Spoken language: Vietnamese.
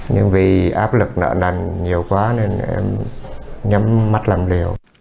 nhưng vì áp lực nợ nằn nhiều quá nên em nhắm mắt làm liều